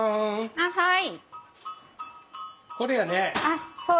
あっはい。